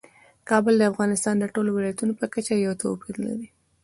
کابل د افغانستان د ټولو ولایاتو په کچه یو توپیر لري.